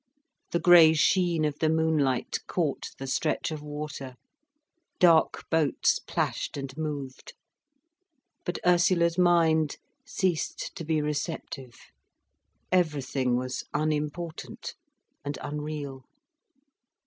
The grey sheen of the moonlight caught the stretch of water, dark boats plashed and moved. But Ursula's mind ceased to be receptive, everything was unimportant and unreal.